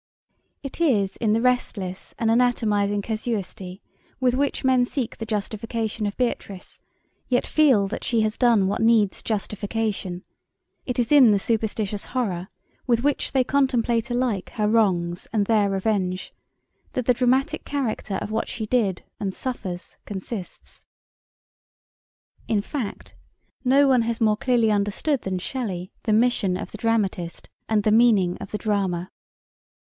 'It is in the restless and anatomising casuistry with which men seek the justification of Beatrice, yet feel that she has done what needs justification; it is in the superstitious horror with which they contemplate alike her wrongs and their revenge, that the dramatic character of what she did and suffered consists.' In fact no one has more clearly understood than Shelley the mission of the dramatist and the meaning of the drama.